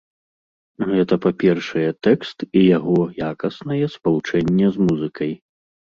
Гэта, па-першае, тэкст і яго якаснае спалучэнне з музыкай.